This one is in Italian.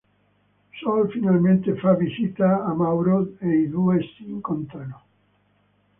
Sol finalmente fa visita a Mauro ei due si incontrano.